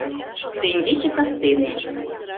— Теҥгече кастене...